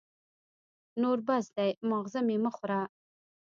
نور بس دی ، ماغزه مي مه خوره !